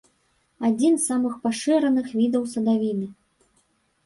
Адзін з самых пашыраных відаў садавіны.